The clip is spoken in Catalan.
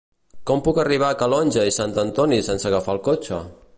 Com puc arribar a Calonge i Sant Antoni sense agafar el cotxe?